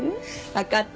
わかった。